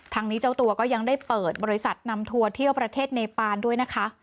ทางนี้เจ้าตัวก็ยังได้เปิดบริษัทนำทัวร์เที่ยวประเทศเนปานด้วยนะคะ